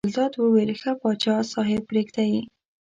ګلداد وویل ښه پاچا صاحب پرېږده یې.